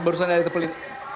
masa yang tadi